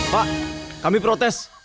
pak kami protes